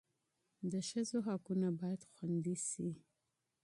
د ښځو حقونه باید خوندي سي.